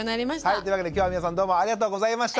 というわけで今日は皆さんどうもありがとうございました。